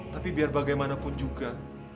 tapi biar bagaimanapun juga